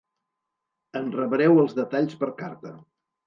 En rebreu els detalls per carta.